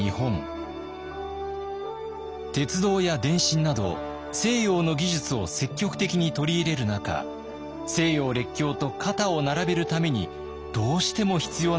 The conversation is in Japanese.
鉄道や電信など西洋の技術を積極的に取り入れる中西洋列強と肩を並べるためにどうしても必要なものがありました。